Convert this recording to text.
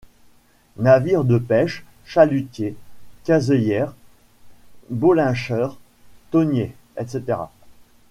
Navires de pêche: chalutiers, caseyeurs, bolincheurs, thoniers, etc.